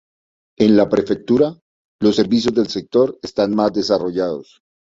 En la prefectura los servicios del sector están más desarrollados.